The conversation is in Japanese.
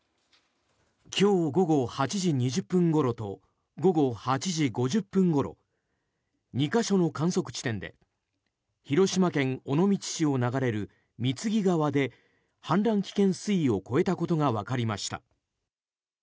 今日午後８時２０分ごろと午後８時５０分ごろ２か所の観測地点で広島県尾道市を流れる御調川で氾濫危険水位を超えたことがわかりました。